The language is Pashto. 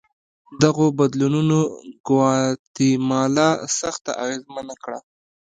دغو بدلونونو ګواتیمالا سخته اغېزمنه کړه.